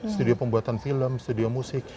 studio pembuatan film studio musik